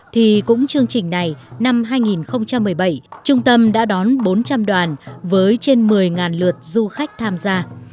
thì cũng chương trình này năm hai nghìn một mươi bảy trung tâm đã đón bốn trăm linh đoàn với trên một mươi lượt du khách tham gia